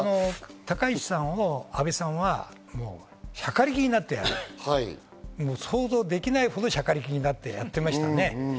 高市さんを安倍さんはしゃかりきになって、想像できないほどしゃかりきになってやってました。